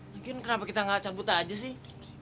mungkin kenapa kita nggak cabut aja sih